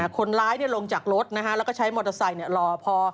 คนร้ายลงจากรถแล้วก็ใช้มอเตอร์ไซค์รอพอ